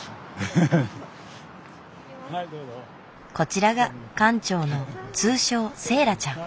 こちらが館長の通称セーラちゃん。